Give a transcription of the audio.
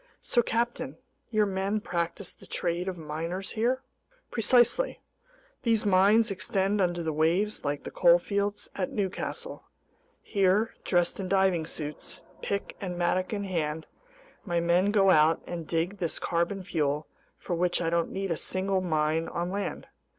"So, captain, your men practice the trade of miners here?" "Precisely. These mines extend under the waves like the coalfields at Newcastle. Here, dressed in diving suits, pick and mattock in hand, my men go out and dig this carbon fuel for which I don't need a single mine on land.